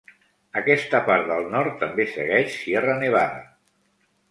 Aquesta part del nord també segueix Sierra Nevada.